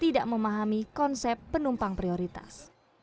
tidak memahami konsep penumpang prioritas